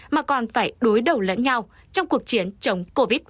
mà còn phải đối đầu lẫn nhau trong cuộc chiến chống covid một mươi chín